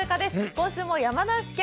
今週も山梨県